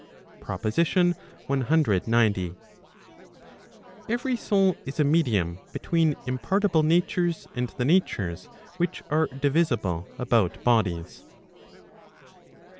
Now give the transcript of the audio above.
PROPOSITION CXC. Every soul is a medium between impartible natures, and the natures which are divisible about bodies.